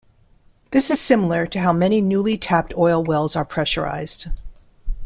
This is similar to how many newly tapped oil wells are pressurized.